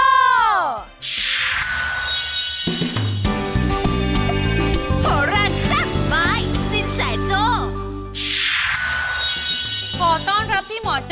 สวัสดีครับ